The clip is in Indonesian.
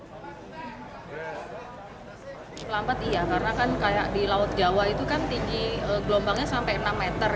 lambat iya karena kan kayak di laut jawa itu kan tinggi gelombangnya sampai enam meter